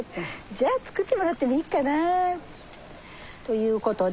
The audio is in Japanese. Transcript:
じゃあ作ってもらってもいいかな。という事で。